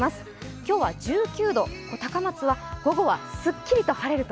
今日は１９度、高松は午後はすっきりと晴れると。